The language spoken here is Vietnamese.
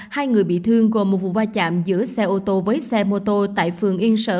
hai người bị thương gồm một vụ va chạm giữa xe ô tô với xe mô tô tại phường yên sở